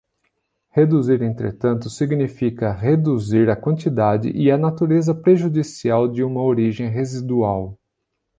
Reduzir, entretanto, significa reduzir a quantidade e a natureza prejudicial de uma origem residual.